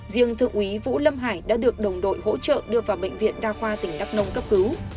riêng thượng úy vũ lâm hải đã được đồng đội hỗ trợ đưa vào bệnh viện đa khoa tỉnh đắk nông cấp cứu